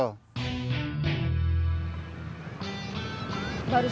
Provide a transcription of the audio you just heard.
terus saya buang ke sungai cikapundung